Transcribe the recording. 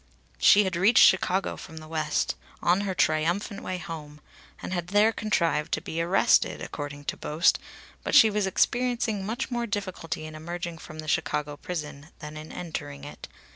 She had reached Chicago from the West, on her triumphant way home, and had there contrived to be arrested, according to boast, but she was experiencing much more difficulty in emerging from the Chicago prison than in entering it.